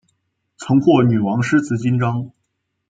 曾获女王诗词金章。